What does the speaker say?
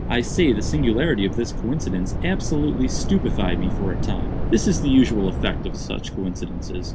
I say the singularity of this coincidence absolutely stupefied me for a time. This is the usual effect of such coincidences.